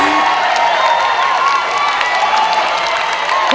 คุณองค์ร้องได้